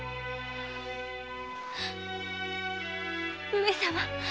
上様。